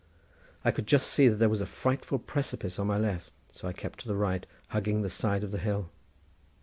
I could just see that there was a frightful precipice on my left, so I kept to the right, hugging the side of the hill.